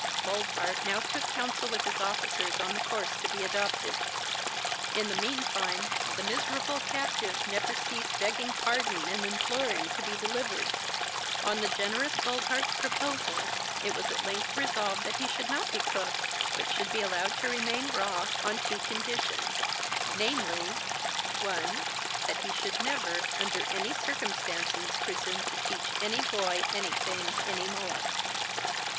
Boldheart now took counsel with his officers on the course to be adopted. In the mean time, the miserable captive never ceased begging pardon and imploring to be delivered. On the generous Boldheart's proposal, it was at length resolved that he should not be cooked, but should be allowed to remain raw, on two conditions, namely: 1. That he should never, under any circumstances, presume to teach any boy anything any more.